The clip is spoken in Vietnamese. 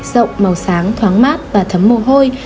rộng màu sáng thoáng mát và thấm mồ hôi